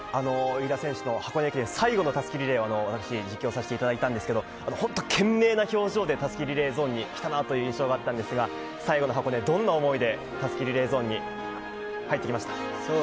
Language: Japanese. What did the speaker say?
飯田選手の箱根駅伝最後のたすきリレーを私、実況させていただいたんですけど、本当、懸命な表情でたすきリレーゾーンに来たなという印象があったんですが、最後の箱根、どんな思いでたすきリレーゾーンに入ってきま